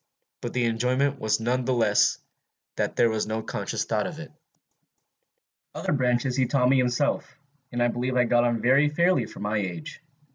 But the enjoyment was none the less that there was no conscious thought in it. "Other branches he taught me himself, and I believe I got on very fairly for my age.